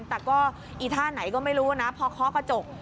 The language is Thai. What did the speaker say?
แต่ก็อีท่าไหนก็ไม่รู้นะพอเคาะกระจก